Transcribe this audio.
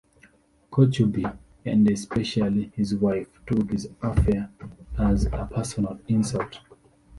Kochubey and especially his wife took this affair as a personal insult.